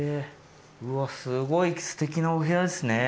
うわっすごいすてきなお部屋ですね。